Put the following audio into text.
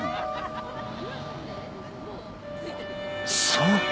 そうか。